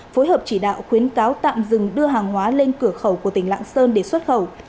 phối hợp chỉ đạo khuyến cáo tạm dừng đưa hàng hóa lên cửa khẩu của tỉnh lạng sơn để xuất khẩu